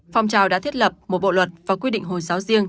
phong trào đã thiết lập một bộ luật và quy định hồi giáo riêng